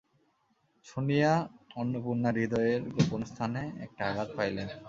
শুনিয়া অন্নপূর্ণা হৃদয়ের গোপন স্থানে একটা আঘাত পাইলেন।